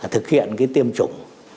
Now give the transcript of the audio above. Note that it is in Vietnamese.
thực hiện cái tiêm chủng